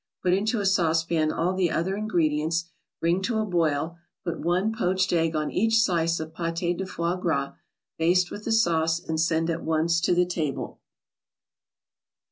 Put into a saucepan all the other ingredients, bring to a boil, put one poached egg on each slice of pate de foie gras; baste with the sauce and send at once to the table.